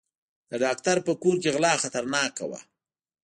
د ډاکټر په کور کې غلا خطرناکه وه.